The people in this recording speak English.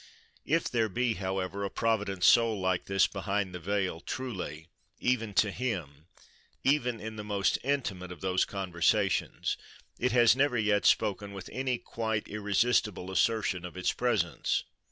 If there be, however, a provident soul like this "behind the veil," truly, even to him, even in the most intimate of those conversations, it has never yet spoken with any quite irresistible assertion of its presence.